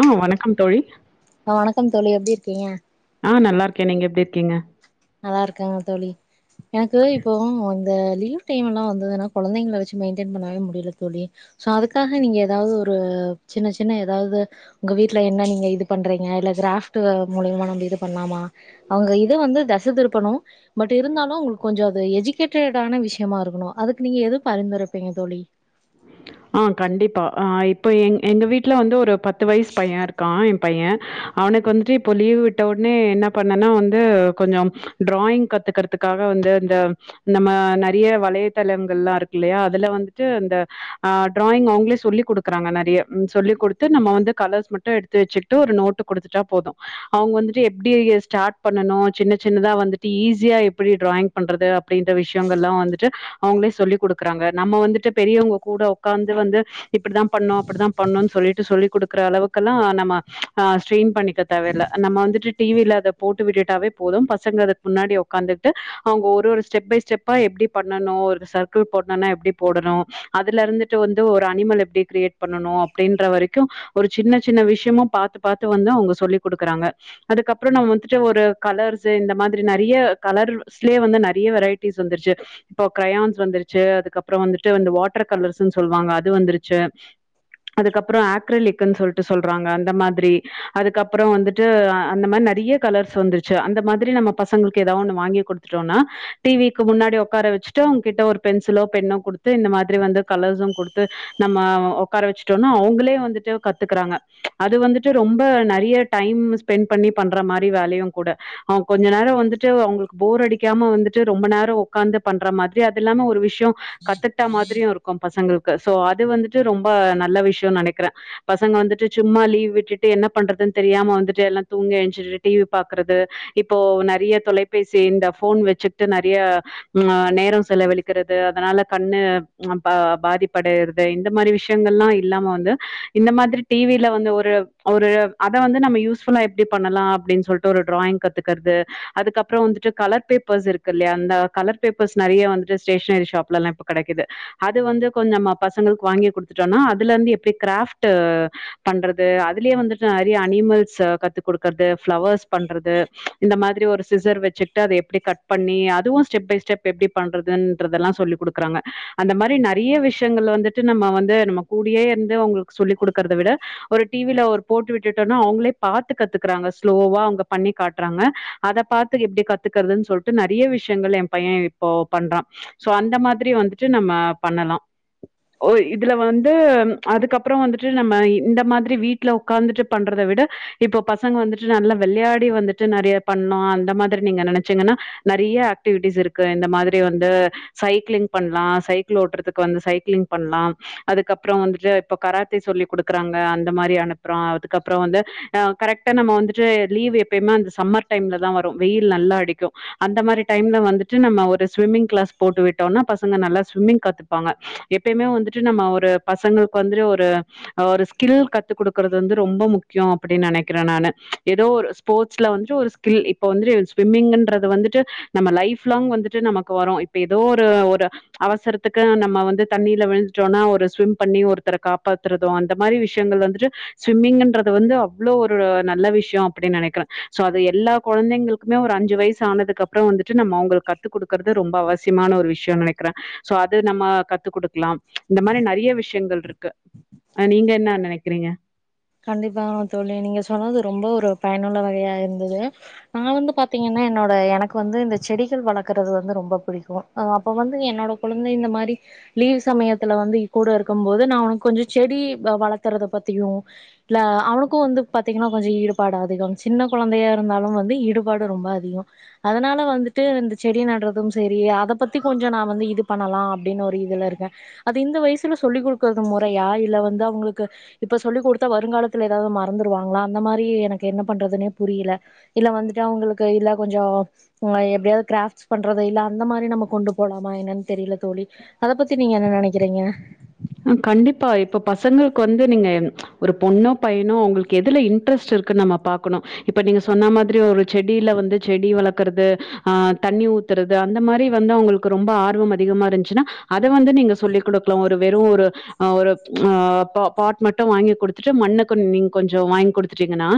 ஆ வணக்கம் தோழி வணக்கம் தோழி எப்டி இருக்கீங்க ஆ நல்லா இருக்கேன் நீங்க எப்டி இருக்கீங்க நல்லா இருக்கேங்க தோழி எனக்கு இப்போ இந்த லீவ் டைம் எல்லா வந்துதுன்னா கொழந்தைங்கள வச்சு மெயின்டேன் பண்ணவே முடியல தோழி சோ அதுக்காக நீங்க ஏதாவது ஒரு சின்ன சின்ன ஏதாவது உங்க வீட்ல என்ன நீங்க இது பண்றீங்க இல்ல கிராட்டு மூலியமா நம்ப இது பண்லாமா அவங்க இது வந்து த ச திருப்பனு பட் இருந்தாலு அவுங்களுக்கு கொஞ்சோ அது எஜிகேட்டடான விஷ்யமா இருக்கணு அதுக்கு நீங்க எது பரிந்துரைப்பீங்க தோழி ஆ கண்டிப்பா அ இப்ப எ எங்க வீட்ல வந்து ஒரு பத் த்து வயசு பையன் இருக்கா எம் பையே அவனுக்கு வந்துட்டு இப்போ லீவ் விட்ட உடனே என்ன பண்ணேனா வந்து கொஞ்சோ டிராயிங் கத்துக்கறதுக்காக வந்து அந்த நம்ம நெறைய வலையதளங்கள்லா இருக்கு இல்லையா அதுல வந்துட்டு அந்த ஆ டிராயிங் அவங்களே சொல்லி் குடுக்குறாங்க நெறைய ம் சொல்லி குடுத்து நம்ம வந்து கலர்ஸ் மட்டு எடுத்து வச்சுக்கிட்டு ஒரு நோட்டு குடுத்துட்டா போது அவங்க வந்துட்டு எப்படி எ ஸ்டார்ட் பண்ணணு சின்ன சின்னதா வந்துட்டு ஈஸியா எப்படி டிராயிங் பண்றது அப்படின்ற விஷயங்கள் எல்லா வந்துட்டு அவங்களே சொல்லி குடுக்குறாங்க நம்ம வந்துட்டு பெரியவங்கொ கூட உக்காந்து வந்து இப்டிதா பண்ணோ அப்டிதா பண்ணுனு சொல்லிட்டு சொல்லி கொடுக்கர அளவுக்கெல்லா நம்ம ஆ ஸ்ரெயின் பண்ணிக்க தேவ இல்ல நம்ம வந்துட்டு டிவில அதை போட்டு விட்டுட்டாவே போதும் பசங்க அதுக்கு முன்னாடி ஒக்காந்துட்டு அவங்க ஒரு ஒரு ஸ்டெப் பை ஸ்டெப்பா எப்டி பண்ணணு ஒரு சர்க்கிள் போட்னான எப்டி போடணு அதுல இருந்துட்டு வந்து ஒரு அனிமல் எப்டி கிரியேட் பண்ணணு அப்டின்ற வரைக்கு ஒரு சின்ன சின்ன விஷயமு பாத்து பாத்து வந்து அவங்க சொல்லி குடுக்குறாங்க அதுக்கப்புறோ நம்ம வந்துட்டு ஒரு கலர்ஸ் இந்த மாதிரி நெறைய கலர்ஸ்லே வந்து நெறைய வெரைட்டிஸ் வந்துருச்சு இப்போ கிரையான்ஸ் வந்துருச்சு அதுக்கப்புறோ வந்துட்டு வந்து வாட் ட்டர் கல்ர்ஸ்சுனு சொல்வாங்க அது வந்துருச்சு அதுக்கப்றோ ஆக்ரலிக்குனு சொல்லிட்டு சொல்றாங்க அந்த மாதிரி அதுக்கப்றோ வந்துட்டு அந்த மாரி நெறெயா கலர்ஸ் வந்துருச்சு அந்த மாதிரி நம்ம பசங்களுக்கு ஏதாவது ஒன்னு வாங்கி குடுத்துட்டோனா டிவிக்கு முன்னாடி உக்கார வச்சுட்டு அவங்கிட்ட ஒரு பென்சிலோ பென்னோ கொடுத்து இந்த மாரி திரி வந்து கலர்ஸ்சும் கொடுத்து நம்ம ஒக்கார வச்சிட்டோனா அவங்களே வந்துட்டு கத்துக்கறாங்க அது வந்துட்டு ரொம்ப நெறைய டைம் ஸ்பெண்ட் பண்ணி பண்ற மாரி வேலையுங் கூட அவ கொஞ்சோ நேரோ வந்துட்டு அவங்களுக்கு போர் அடிக்காம வந்துட்டு ரொம்ப நேரோ உக்காந்து பண்ற மாதிரி அது இல்லாம ஒரு விஷ் டியோ கத்துட்டா மா பசங்களுக்கு சோ அது வந்துட்டு ரொம்ப நல்ல விஷ்யோன் நெனக்கிற பசங்க வந்துட்டு சும்மா லீவ் விட்டுட்டு என்ன பண்றதுன் தெரியாம வந்துட்டு எல்லா தூங்கி என்சுட்டு டிவி பாக்குறது இப்போ நெறைய தொலைபேசி இந்த ஃபோன் வச்சிட்டு நெறைய உம் ஆ நேரோ செலவழிக்கிறது அதனால கண்ணு ம் பா பாதிப்படையறது இந்த மாரி விஷயங்கள்லா இல்லாம வந்து இந்த மாதிரி டிவில வந்து ஒரு ஒரு அத வந்து நம்ம யூஸ்ஃபுல்லா எப்டி பண்லா அப்டின் சொல்ட்டு ஒரு ட்ராயிங் கத்துக்கற்து அதுக்கப்றோ வந்துட்டு கலர் பேப்பர்ஸ் இருக்குல்லையா அந்த கலர் பேப்பர்ஸ் நெறைய வந்துட்டு ஸ்டேஷ்னரி ஷாப்லல்லா இப்ப கெடைக்கிது அது வந்து கொஞ்சோ நம்ம பசங்களுக்கு வாங்கி குடுத்துட்டோனா அதுலருந்து எப்டி கிராஃப்ட்டு பண்றது அதுலயே வந்துட்டு நெறைய அனிமல்ஸ கத்து குடுக்கற்து ஃப்ளவர்ஸ் பண்றது இந்த மாரி ஒரு சிசர் வச்சிட்டு அத எப்டி கட் பண்ணி அதுவு ஸ்டெப் பை ஸ்டெப் எப்டி பண்றதுன்றதெல்லா சொல்லி குடுக்குறாங்க அந்த மாரி நறைய விஷயங்கள் வந்துட்டு நம்ம வந்து நம்ம கூடியே இருந்து அவுங்களுக்கு சொல்லிக் குடுக்கறத விட ஒரு டிவியில ஒரு போட்டு விட்டுட்டோனா அவுங்களே பாத்து கத்துக்குறாங்க ஸ்லோவா அவுங்க பண்ணி காட்றாங்க அதப் பாத்து எப்டி கத்துக்கற்துன் சொல்ட்டு நறைய விஷயங்கள் எம் பைய இப்போ பண்றா சோ அந்த மாதிரி வந்துட் டு நம்ம பண்ணலா ஓய் இதுல வந்து அதுக்கப்பறோ வந்துட்டு நம்ம இந்த மாதிரி வீட்ல உக்காந்துட்டு பண்றத விட இப்போ பசங்க வந்துட்டு நல்லா வெள்யாடி வந்துட்டு நறைய பண்ணு அந்த மாதிரி நீங்க நெனச்சீங்கன்னா நறைய ஆக்டிவிட்டீஸ் இருக்கு இந்த மாதிரி வந்து சைக்ளிங் பண்லா சைக்கிள் ஓட்றதுக்கு வந்து சைக்லிங் பண்லா அதுக்கப்றோ வந்துட்டு இப்ப கராத்தே சொல்லி குடுக்குறாங்க அந்த மாரி அனுப்புறோ அதுக்கப்றோ வந்து ஆ கரெக்ட்டா நம்ம வந்துட்டு லீவு எப்பைமே அந்த சம்மர் டைம்லதா வரு வெயில் நல்லா அடிக்கு அந்த மாரி டைம்ல வந்துட்டு நம்ம ஒரு ஸ்விம்மிங் க்ளாஸ் போட்டு விட்டோன்னா வஸ் சங்க நல்லா ஸ்விம்மிங் கத்துப்பாங்க எப்பயுமே வந்துட்டு நம்ம ஒரு பசங்களுக்கு வந்துட்டு ஒரு ஒரு ஸ்கில் கத்து குடுக்குறது வந்து ரொம்போ முக்கியோ அப்டின் நெனைக்கிற நானு ஏதோ ஒரு ஸ்போர்ட்ஸ்ல வந்துட்டு ஒரு ஸ்கில் இப்போ வந்துட்டு ஸ்விம்மிங்ன்றது வந்துட்டு நம்ம லைஃப் லாங் வந்துட்டு நமக்கு வரு இப்ப ஏதோ ஒரு ஒரு அவசரத்துக்கு நம்ம வந்து தண்ணியில விழுந்த்டோனா ஒரு ஸ்விம் பண்ணி ஒருத்தர காப்பாத்துறது அந்த மாரி விஷயங்கள் வந்துட்டு ஸ்விம்மிங்குன்றது வந்து அவ்ளோ ஒரு நல்ல விஷ்யோ அப்டின் நெனைக்கிறே சோ அது எல்லா கொழந்தைங்களுக் குமே ஒரு அஞ்சு வயசு ஆனதுக்கப்பறோ வந்துட்டு நம்ம அவுங்களுக் கத்துக் குடுக்கற்து ரொம்ப அவசியமான ஒரு விஷ்யோ நெனைக் க்ற சோ அது நம்ம கத்து குடுக் க்லாம் இந்த மாரி நறைய விஷயங்கள் ட்ருக்கு அ நீங்க என்னீ நெனக்கிறீங்க கண்டிப்பா தோழி நீங்க சொன்னது ரொம்ப ஒரு பயனுள்ள வகையா இருந்தது நா வந்து பாத்தீங்கன்னா என்னோட எனக்கு வந்து இந்த செடிகள் வளர்க்கறது வந்து ரொம்ப புடிக்கு அ அப்ப வந்து என்னோட கொழந்தை இந்த மாரி லீவ் சமயத்துல வந்து கூட இருக்கம் போது நா ஒனக்கு கொஞ்சோ செடி வ வளத்துறத பத்தியு இல்ல அவனுக்கு வந்து பாத்தீங்கன்னா கொஞ்சோ ஈடுபாடு அதிகம் சின்ன கொழந்தையா இருந்தாலு வந்து ஈடுபாடு ரொம்ப அதிகொ அதனால வந்துட்டு இந்த செடி நட்றது சேரி அதப் பத்தி கொஞ்சோ நா வந்து இது பண்ணலா அப்டின்னு ஒரு இதுல இருக்க அது இந்த வயசுல சொல்லிக் குடுக்குறது மொறையா இல்ல வந்து அவங்களுக்கு இப்ப சொல்லிக் குடுத் த்தா வருங்காலத்துல ஏதாவ்து மறந்துருவாங்ளா அந்த மாரி எனக்கு என்ன பண்றதுனே புரியில இல்ல வந்துட்டு அவுங்களுக்கு இல்ல கொஞ்சோ ம் எப்டியாவ்து கிராஃப்ட்ஸ் பண்றது இல்ல அந்த மாரி நம்ம கொண்டு போலாமா என்னன் தெரியில தோழி அதப் பத்தி நீங்க என்ன நெனக்கிறீங்க கண்டிப்பா இப்ப பசங்களுக்கு வந்து நீங்க ஒரு பொண்ணோ பையனோ அவுங்களுக்கு எதுல இன்ட்ரெஸ்ட் இருக்குன் நம்ம பாக்கணு இப்ப நீங்க சொன்னா மாதிரி ஒரு செடியில வந்து செடி வளக்குறது ஆ தண்ணி ஊத்துறது அந்த மாரி வந்து அவுங்களுக்கு ரொம்ப ஆர்வம் அதிகமா இருந்ச்சுன்னா அத வந்து நீங்க சொல்லி் குடுக்லா ஒரு வெறு ஒரு ஆ ஒரு ஆ பா பாட் மட்டு வாங்கி குடுத்துட்டு மண்ண கொண் நீங் கொஞ்சோ வாங்கி குடுத்துட்டீங்கன்னா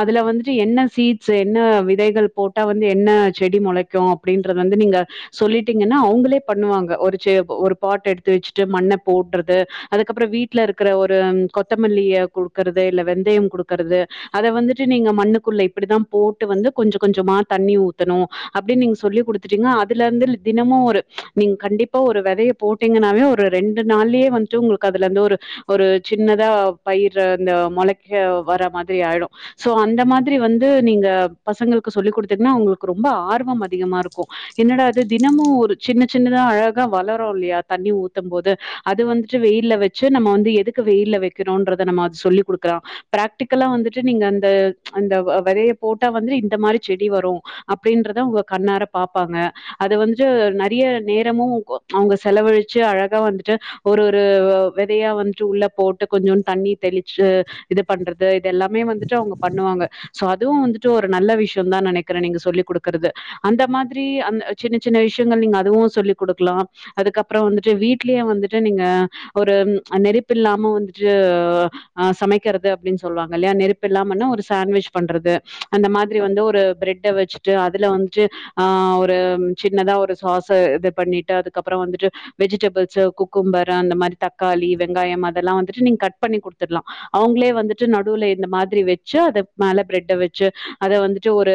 அதுல வந்துட்டு என்ன சீட்ஸ் என்ன விதைகள் போட்டா வந்து என்ன செடி மொளைக்கு அப்டின்றது வந்து நீங்க சொல்லிட்டீங்கன்னா அவுங்களே பண்ணுவாங்க ஒரு செ ஒரு பாட் எடுத்து வெச்சிட்டு மண்ணப் போட்றது அதுக்கப்பறோ வீட்ல இருக்குற ஒரு கொத்தமல்லிய குடுக்கறது இல்ல வெந்தயம் குடுக்கறது அத வந்துட்டு நீங்க மண்ணுக்குள்ள இப்டிதா போட்டு வந்து கொஞ்ச கொஞ்சமா தண்ணி ஊத்தணு அப்டின் நீங்க சொல்லி்க் குடுத்துட்டீங்னா அதுலருந்து லி தினமு ஒரு நீங்க கண்டிப்பா ஒரு வெதைய போட்டீங்கன்னாவே ஒரு ரெண் டு நாள்லயே வந்துட்டு உங்களுக்கு அதுலேருந்து ஒரு ஒரு சின்னதா பயிர் இந்த மொளெக்க வர மாதிரி ஆயிடு சோ அந்த மாதிரி வந்து நீங்க பசங்களுக்கு சொல்லி் குடுத்துடீங்னா அவுங்களுக்கு ரொம்ப ஆர்வம் அதிகமா இருக்கு என்னடா இது தினமு ஒரு சின்ன சின்னதா அழகா வளரு இல்லையா தண்ணி ஊத்தம் போது அது வந்துட்டு வெயில்ல வச்சு நம்ம வந்து எதுக்கு வெயில்ல வெக்கணுன்றத நம்ம அது சொல்லி்க் குடுக்கலா ப்ராக்டிக்கலா வந்துட்டு நீங்க அந்த அந்த வ வெதையே போட்டா வந்துட்டு இந்த மாரி செடி வரு அப்டின்றத அவுங்க கண்ணார பாப்பாங்க அது வந்துட்டு நறைய நேரமு கோ அவுங்க செலவழிச்சு அழகா வந்துட் டு ஒரு ஒரு வெதையா வந்துட்டு உள்ள போட்டு கொஞ்சோண்டு தண்ணி தெளிச்சு இது பண்றது இதெல்லாமே வந்துட்டு அவுங்க பண்ணுவாங்க சோ அதுவு வந்துட்டு ஒரு நல்ல விஷ்யோந்தா நெனக்கிற நீங்க சொல்லிக் குடுக்கறது அந்த மாதிரி அந்த சின்னச் சின்ன விஷயங்கள் நீங்க அதுவு சொல்லிக் குடுக்கலா அதுக்கப்றோ வந்துட்டு வீட் லயே வந்துட்டு நீங்க ஒரு நெருப்பு இல்லாம வந்துட்டு ஆ சமைக்கெறது அப்டின் சொல்லுவாங்கல்லையா நெருப்பில்லாமன்னா ஒரு சாண்ட்வெஜ் பண்றது அந்த மாதிரி வந்து ஒரு ப்ரெட்ட வெச்சிட்டு அதுல வந்துட்டு ஆ ஒரு சின்னதா ஒரு சாஸு இது பண்ணிட்டு அதுக்கப்றோ வந்துட்டு வெஜிடேபிள் ச்சு குக்கும்பர் அந்த மாரி தக்காளி வெங்காயம் அதெல்லா வந்துட்டு நீங்க கட் பண்ணி குடுத்துட்லா அவுங்களே வந்துட்டு நடுவுல இந்த மாதிரி வெச்சு அத மேல ப்ரெட்ட வெச்சு அத வந்துட்டு ஒரு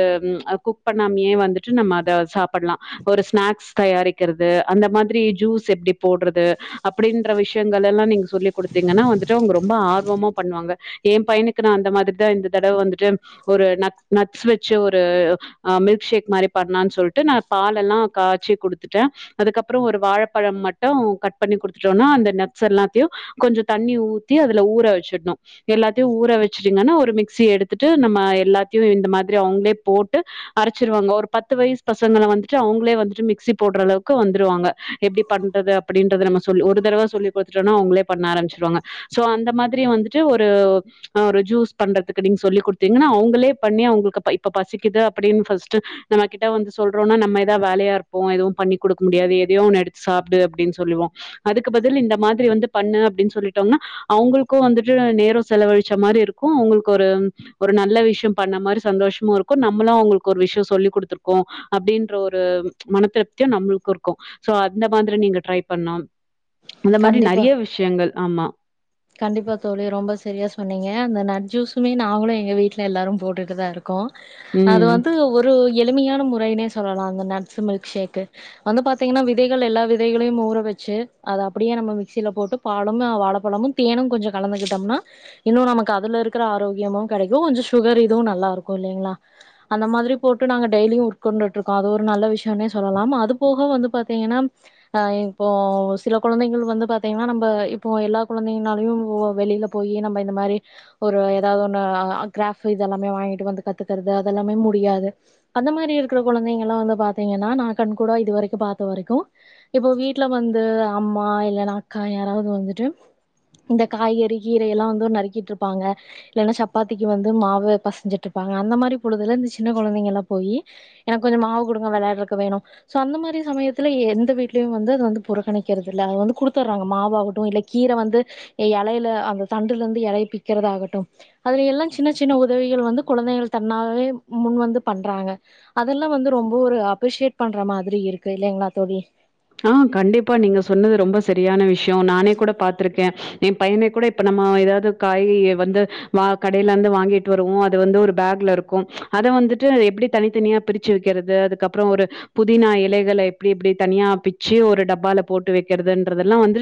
குக் பண்ணாமயே வந்துட்டு நம்ம அத சாப்பல்லா ஒரு ஸ்நாக்ஸ் தயாரிக்கிறது அந்த மாதிரி ஜூஸ் எப்டி போட்றது அப்டின்ற விஷயங்கள் எல்லா நீங்க சொல்லி குடுத்தீங்கன்னா வந்துட்டு அவுங்க ரொம்ப ஆர்வமா பண்ணுவாங்க ஏம் பையனுக்கு நா அந்த மாதிரிதா இந்த தடவ வந்துட்டு ஒரு நட்ஸ் நட்ஸ் வச்சி ஒரு அ மில்க் ஷேக் மாரி பண்ணான் சொல்ட்டு நா பால்லெல்லா காய்ச்சி குடுத்துட்ட அதுக்கப்றோ ஒரு வாழப்பழம் மட் டு கட் பண்ணி குடுத்துட்டோனா அந்த நட்ஸ் எல்லாத்தையு கொஞ்சோ தண்ணி ஊத்தி அதுல ஊற வச்சிட்ணு எல்லாத்தையு ஊற வெச்சிட்டீங்கன்னா ஒரு மிக்சிய எடுத்துட்டு நம்ம எல்லாத்தையு இந்த மாதிரி அவுங்களே போட்டு அரச்சிருவாங்க ஒரு பத்து வயசு பசங்கள வந்துட்டு அவுங்களே வந்துட்டு மிக்சி போட்றளவுக்கு வந்துருவாங்க எப்டி பண் றது அப்டின்றத நம்ம சொல் ஒரு தடவ சொல்லி குடுத்டோனா அவுங்களே பண்ண ஆரம்ச்சிருவாங்க சோ அந்த மாதிரி வந்துட்டு ஒரு ஆ ஒரு ஜூஸ் பண்றதுக்கு நீங் சொல்லிக் குடுத்தீங்கன்னா அவுங்களே பண்ணி அவுங்களுக்கு ப இப்ப பசிக்கிது அப்டின்னு ஃபஸ்ட்டு நம்ம கிட்ட வந்து சொல்றோனா நம்ம எதா வேலையா இருப்போ எதுவு பண்ணிக் குடுக்க முடியாது எதையோ ஒன்னு எடுத்து சாப் டு அப்டின் சொல்லுவோ அதுக்கு பதில் இந்த மாதிரி வந்து பண்ணு அப்டின் சொல்லிட்டோம்னா அவுங்களுக்கு வந்துட்டு நேரோ செலவழிச்ச மாரி இருக்கு உங்களுக்கு ஒரு ஒரு நல்ல விஷயம் பண்ண மாரி சந்தோஷமு இருக்கு நம்மளு அவுங்களுக்கு ஒரு விஷ்யோ சொல்லிக் குடுத்ருக்கோ அப்டின்ற ஒரு மன திருப்தியு நம்ளுக்கு இருக்கு சோ அந்த மாதிரி நீங்க ட்ரை பண்லாம் அந்த மாரி கண்டிப்பா நறைய விஷயங்கள் ஆமா கண்டிப்பா தோழி ரொம்ப செரியா சொன்னீங்க அந்த நட் ஜூஸுமே நாங்களு எங்க வீட்ல எல்லாரும் போட்டுட்டு தா இருக் கோ அது ம் வந்து ஒரு எளிமையான முறைனே சொல்லலாங்க நட்ஸு மில்க் ஷேக்கு வந்து பாத்தீங்கன்னா விதைகள் எல்லா விதைகளையும் ஊற வச்சு அத அப்டியே நம்ம மிக்சில போட்டு பாலமே வாழப்பழமு தேனு கொஞ்சொ கலந்துகிட்டோம்னா இன்னு நமக்கு அதுல இருக்குற ஆரோக்கியமு கெடைக்கு கொஞ்சொ சுகரு இதுவு நல்லா இருக்கு இல்லைங்களா அந்த மாதிரி போட்டு நாங்க டெய்லியு உட்கொண்டுட்ருக்கோ அது ஒரு நல்ல விஷ்யொன்னே சொல்லலாம் அது போக வந்து பாத்தீங்கன்னா ஆ இப்போ சில குழந்தைகள் வந்து பாத்தீங்கனா நம்ப இப்போ எல்லாக் குழந்தைங்கனாலயு வெளியில போயி நம்ப இந்த மாரி ஒரு ஏதாவ்து ஒன்னு கிராஃபு இதெல்லாமே வாங்கிட்டு வந்து கத்துக்கறது அதெல்லாமே முடியாது அந்த மாரி இருக்குற கொழந்தைங்கல்லா வந்து பாார்த்தீங்கன்னா நா கண் கூடா இது வரைக்கு பாத்த வரைக்கு இப்போ வீட்ல வந்து ஆமா இல்லனா கா யாராவ்து வந்துட்டு இந்த காய்கறி கீரை எல்லா வந்து நறுக்கிட்ருப்பாங்க இல்லன்னா சப்பாத்திக்கி வந்து மாவு பசஞ்சிட்ருப்பாங்க அந்த மாரி பொழுதுல இந்த சின்ன கொழந்தைங்கல்லா போயி எனக்கு கொஞ்சம் மாவு குடுங்க வெளையாட்றக் க்கு வேணு சோ அந்த மாரி சமயத்துல எந்த வீட்டு [unintelligible] வந்து அது வந்து புறக்கணிக்கிறதில்ல அது வந்து குடுத்துர்றாங்க மாவவுட்டு இல்ல கீர வந்து எலைல அந்த தண்டுல இருந்து எலைய பி க்கிறதாகட்டு அதுல எல்லா சின்ன சின்ன உதவி வந்து கொழந்தைகள் தன்னாகவே முன் வந்து பண்றாங்க அதெல்லா வந்து ரொம்ப ஒரு அப்ரிசியேட் பண்ற மாதிரி இருக்கு இல்லைங்களா தோழி ஆஹ் கண்டிப்பா நீங்க சொன்னது ரொம்ப சரியான விஷ்யோ நானே கூட பாத்திருக்கே என் பைய்னே கூட இப்ப நம்ம ஏதாவது காய் வந்து வா கடையில இருந்து வாங்கிட்டு வருவோ அது வந்து ஒரு பேக்ல இருக்கு அத வந்துட்டு எப்படி தனித்தனியா பிரிச்சு வைக்கிறது அதுக்கப்புறோ ஒரு புதினா இலைகளை எப்படி எப்படி தனியா பிச்ச ஒரு டப்பால போட்டு வெக்கிறதுன்றதெல்லா வந்து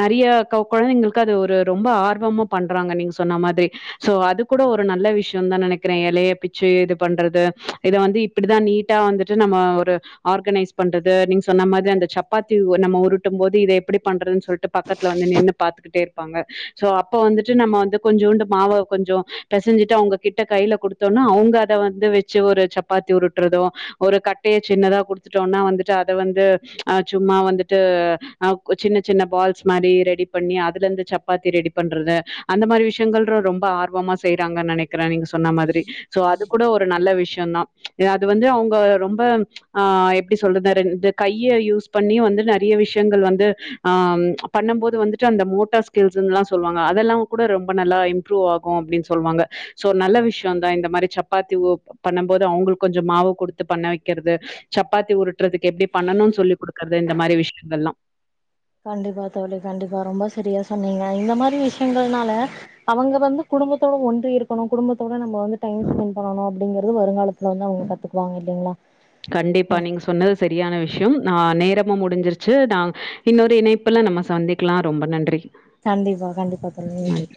நெறைய க கொழந்தைங்களுக்கு அது ஒரு ரொம்ப ஆர்வமா பண்றாங்க நீங்க சொன்ன மாதிரி சோ அது கூட ஒரு நல்ல விஷ்ய தா நெனைக்கிறே எலைய பிச்சு இது பண்றது இத வந்து இப்படிதா நீட்டா வந்துட்டு நம்ம ஒரு ஆர்கனைஸ் பண்றது நீங்க சொன்ன மாதிரி அந்த சப்பாத்தி வ்வ நம்ம உருட்டு போது இதை எப்படி பண்றதுன்னு சொல்லிட்டு பக்கத்துல வந்து நின்னு பாத்துக்கிட்டே இருப்பாங்க சோ அப்ப வந்துட்டு நம்ம வந்து கொஞ்சோண்டு மாவை கொஞ்சோ பெசைஞ்சிட்டு அவங்க கிட்ட கையில குடுத்தோனா அவுங்க அத வந்து வச்சு ஒரு சப்பாத்தி உருட்டுறதோ ஒரு கட்டைய சின்னதா குடுத்துட்டோனா வந்துட்டு அத வந்து சும்மா வந்துட்டு அ சின்ன சின்ன பால்ஸ் மாதிரி ரெடி பண்ணி அதுல இருந்து சப்பாத்தி ரெடி பண்றது அந்த மாரி விஷயங்கள் ரொம்ப ஆர்வமா செய்யறாங்கு நெனைக்கிறே நீங்க சொன்ன மாதிரி சோ அது கூட ஒரு நல்ல விஷ்ய தா அது வந்து அவுங்க ரொம்ப ஆ எப்படி சொல்றது ரெண்டு கைய யூஸ் பண்ணி வந்து நிறைய விஷயங்கள் வந்து ஆஹ் பண்ணும் போது வந்துட்டு அந்த மோட்டார் ஸ்கில்ஸ்ல்லாம் சொல்லுவாங்க அதெல்லாம் கூட ரொம்ப நல்லா இம்ப்ரூவ் ஆகும் அப்படின்னு சொல்லுவாங்க சோ நல்ல விஷயம் தான் இந்த மாதிரி சப்பாத்தி ஊ பண்ணும் போது அவங்களுக்கு கொஞ்சம் மாவு கொடுத்து பண்ண வைக்கிறது சப்பாத்தி உரு ட்றதுக்கு எப்டி பண்ணணுன் சொல்லி குடு த இந்த மாரி விஷயங்கள்லா கண்டிப்பா தோழி கண்டிப்பா ரொம்ப சரியா சொன்னீங்க இந்த மாதிரி விஷயங்கள்னால அவங்க வந்து குடும்பத்தோட ஒன்றி இருக்கணும் குடும்பத்தோட நம்ம வந்து டை ஸ்பெண்ட் பண்ணணும் அப்படிங்கிறது அ வருங்காலத்தில் வந்து அவங்க கத்துக்குவாங்க இல்லைங்களா கண்டிப்பா நீங்க சொன்னது சரியான விஷயம் ஆஹ நேரம முடிஞ்சிருச்சு நான் இன்னொரு இணைப்பல்லாம் நம்ம சந்திக்கலாம் ரொம்ப நன்றி கண்டிப்பா கண்டிப்பா தோழி நன்றி.